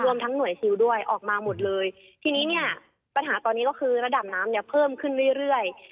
รวมทั้งหน่วยฮิลด้วยออกมาหมดเลยทีนี้ปัญหาตอนนี้ก็คือระดับน้ำเพิ่มขึ้นเรื่อย